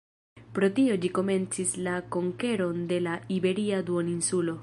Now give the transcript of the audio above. Pro tio ĝi komencis la konkeron de la iberia duoninsulo.